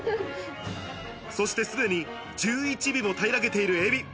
そして、すでに１１尾も平らげているエビ。